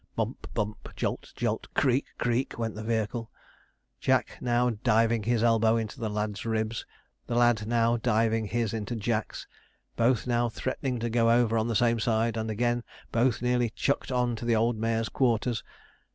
Bump, bump, jolt, jolt, creak, creak, went the vehicle. Jack now diving his elbow into the lad's ribs, the lad now diving his into Jack's; both now threatening to go over on the same side, and again both nearly chucked on to the old mare's quarters.